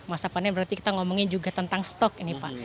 masa panen berarti kita ngomongin juga tentang stok ini pak